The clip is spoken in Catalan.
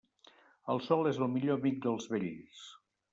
El sol és el millor amic dels vells.